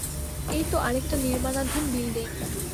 এইতো আরেকটা নির্মাণাধীন বিল্ডিং।